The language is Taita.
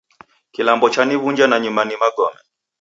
Kilambo chaniw'unja nanyuma ni magome.